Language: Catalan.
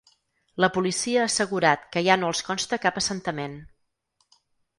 La policia ha assegurat que ja no els consta cap assentament.